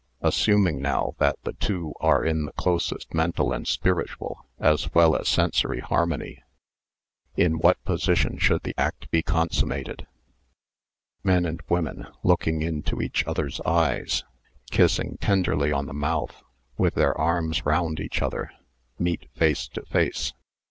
Assuming now that the two are in the closest mental and spiritual, as well as sensory harmony : in what position should the act be consummated .'' Men and Mutual Adjustment 49 women, looking into each other's eyes, kissing tenderly on the mouth, with their arms round each other, meet face to face.